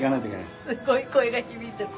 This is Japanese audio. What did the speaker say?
すっごい声が響いてる。